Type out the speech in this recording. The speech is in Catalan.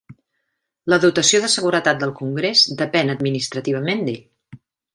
La dotació de seguretat del Congrés depèn administrativament d'ell.